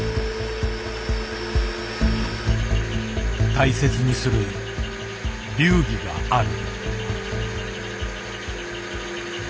大切にする流儀がある。